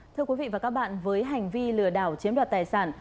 thưa quý vị và các bạn với hành vi lừa đảo chiếm đoạt tài sản